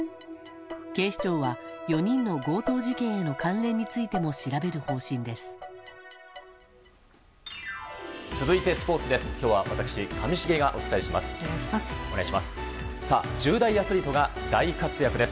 警視庁は４人の強盗事件の関連についても調べる方針です。